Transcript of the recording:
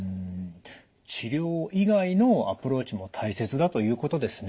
治療以外のアプローチも大切だということですね。